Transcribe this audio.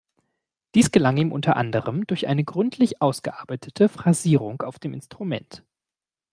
Dies gelang ihm unter anderem durch eine gründlich ausgearbeitete Phrasierung auf dem Instrument.